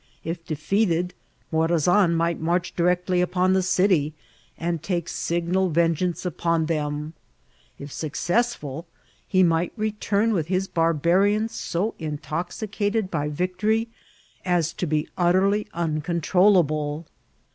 If defeated, M<»a* «an might march directly upon the city, and take sig« nal vengeance upon them ; if successful, he might re turn with his barbarians so intoxicated by victory as to be utterly uncontrollable.